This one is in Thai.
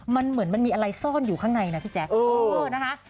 มันเหมือนมันมีอะไรซ่อนอยู่ข้างในนะพี่แจ๊คนะคะ